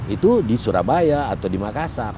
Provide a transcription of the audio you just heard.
itu di surabaya atau di makassar